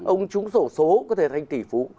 ông trúng sổ số có thể thành tỷ phú